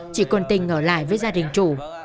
chỉ còn tình ở lại với gia đình chủ